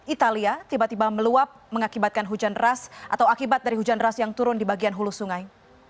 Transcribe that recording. italia tiba tiba meluap mengakibatkan hujan deras atau akibat dari hujan deras yang turun di bagian hulu sungai